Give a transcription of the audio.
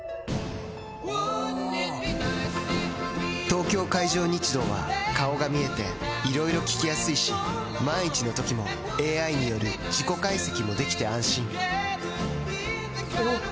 東京海上日動は顔が見えていろいろ聞きやすいし万一のときもＡＩによる事故解析もできて安心おぉ！